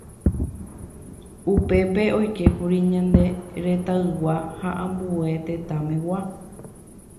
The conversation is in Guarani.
Upépe oikékuri ñane retãygua ha ambue tetãmegua.